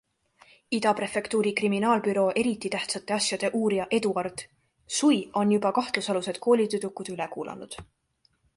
Ida prefektuuri kriminaalbüroo eriti tähtsate asjade uurija Eduard Sui on juba kahtlusalused koolitüdrukud üle kuulanud.